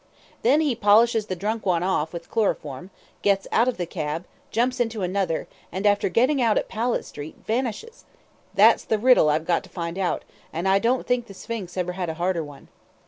Then he polishes the drunk one off with chloroform, gets out of the cab, jumps into another, and after getting out at Powlett Street, vanishes that's the riddle I've got to find out, and I don't think the Sphinx ever had a harder one.